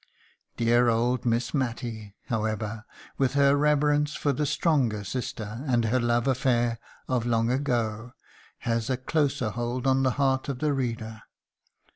Dear old Miss Matty, however, with her reverence for the stronger sister, and her love affair of long ago, has a closer hold on the heart of the reader.